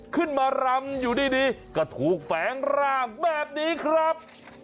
รำอยู่ดีก็ถูกแฝงร่างแบบนี้ครับ